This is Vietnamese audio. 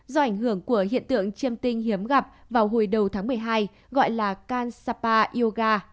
do ảnh hưởng của hiện tượng chiêm tinh hiếm gặp vào hồi đầu tháng một mươi hai gọi là kansapa yoga